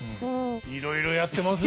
いろいろやってます。